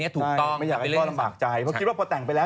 ถูกต้องไม่อยากให้พ่อลำบากใจเพราะคิดว่าพอแต่งไปแล้ว